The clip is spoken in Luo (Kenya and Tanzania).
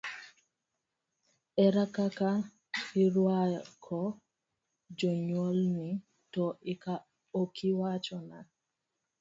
Ere kaka irwako jonyuolni, to okiwachona?